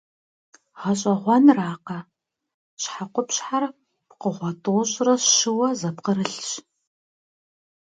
Гъэщӏэгъуэнракъэ, щхьэкъупщхьэр пкъыгъуэ тӏощӏрэ щыуэ зэпкърылъщ.